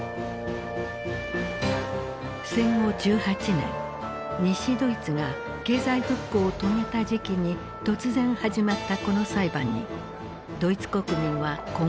戦後１８年西ドイツが経済復興を遂げた時期に突然始まったこの裁判にドイツ国民は困惑した。